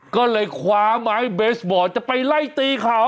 ก็เลยคว้าไม้เบสบอลจะไปไล่ตีเขา